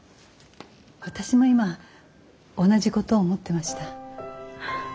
私も今同じことを思ってました。